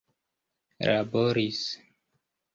laboris